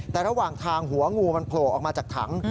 แต่ระหว่างทางหัวงูมันโผล่ออกมาจากถัง